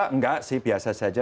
enggak sih biasa saja